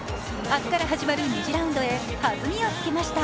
明日から始まる２次ラウンドへ弾みをつけました。